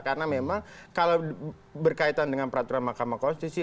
karena memang kalau berkaitan dengan peraturan mahkamah konstitusi